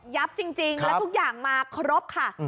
จริงแล้วทุกอย่างมาครบค่ะ